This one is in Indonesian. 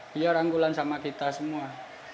dia rangkulan sama kita semua